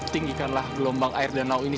tinggikanlah gelombang air danau ini